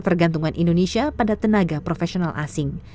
pergantungan indonesia pada tenaga profesional asing